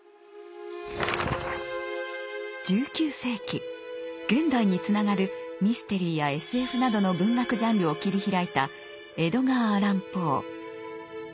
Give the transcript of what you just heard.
１９世紀現代につながるミステリーやＳＦなどの文学ジャンルを切り開いたエドガー・アラン・ポー。